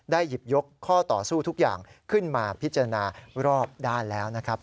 หยิบยกข้อต่อสู้ทุกอย่างขึ้นมาพิจารณารอบด้านแล้วนะครับ